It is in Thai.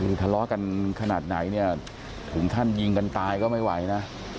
คือทะเลาะกันขนาดไหนเนี่ยถึงขั้นยิงกันตายก็ไม่ไหวนะ